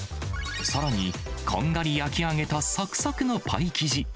さらに、こんがり焼き上げたさくさくのパイ生地。